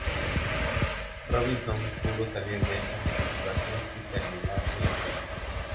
Robinson pudo salir de esta situación y terminar el asalto.